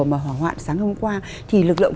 mà hỏa hoạn sáng hôm qua thì lực lượng